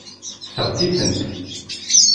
Seɣtit-tent.